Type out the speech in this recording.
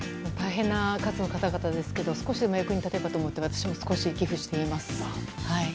大変な数の方々ですが少しでも役に立てばと思って私も少し寄付しています。